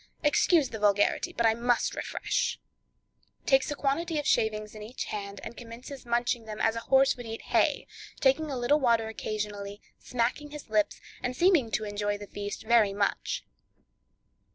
Excuse the vulgarity, but I must refresh" (takes a quantity of shavings in each hand and commences munching them as a horse would eat hay, taking a little water occasionally, smacking his lips, and seeming to enjoy the feast very much).